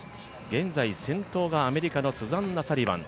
現在、先頭がアメリカのスザンナ・サリバン。